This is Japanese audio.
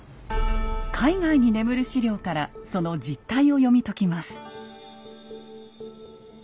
海外に眠る史料からその実態を読み解きます。